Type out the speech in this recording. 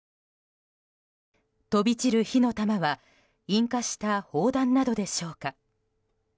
飛び散る火の玉は引火した砲弾などでしょうか。